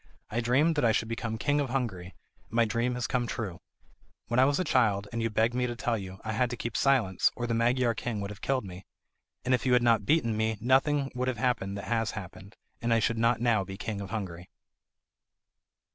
I dreamed that I should become King of Hungary, and my dream has come true. When I was a child, and you begged me to tell you, I had to keep silence, or the Magyar king would have killed me. And if you had not beaten me nothing would have happened that has happened, and I should not now be King of Hungary."